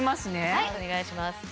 はいお願いします。